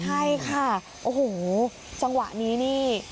ใช่ค่ะโอ้โหจังหวะนี้นี่